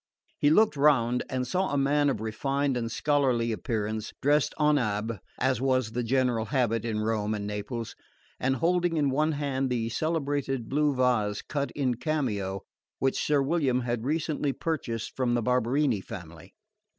He looked round and saw a man of refined and scholarly appearance, dressed en abbe, as was the general habit in Rome and Naples, and holding in one hand the celebrated blue vase cut in cameo which Sir William had recently purchased from the Barberini family.